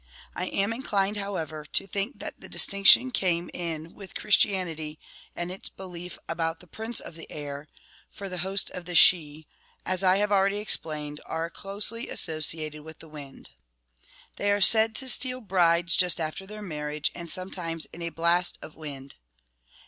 I am inclined, how ever, to think that the distinction came in with Christianity and its belief about the prince of the air, for the host of the Sidhe, as I have already explained, are closely associated with the wind. They are said to steal brides just after their marriage, and sometimes in a blast of wind.